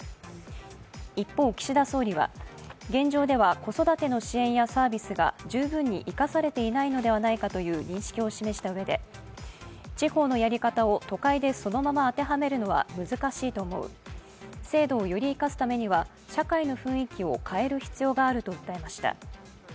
一方、岸田総理は、現状では子育ての支援やサービスが十分に生かされていないのではないかという認識を示したうえで、地方のやり方を都会でそのまま当てはめるのは難しいと思う制度をより生かすためには社会の雰囲気を変える必要があると訴えました。